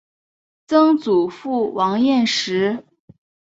曾祖父王彦实。